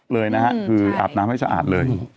เลยนะฮะคืออาบน้ำให้สะอาดเลย